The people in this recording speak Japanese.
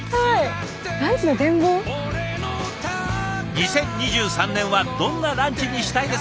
２０２３年はどんなランチにしたいですか？